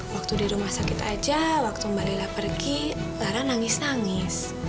waktu di rumah sakit aja waktu mbak lila pergi lara nangis nangis